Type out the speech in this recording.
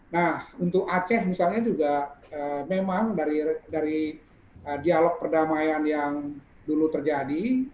nah untuk aceh misalnya juga memang dari dialog perdamaian yang dulu terjadi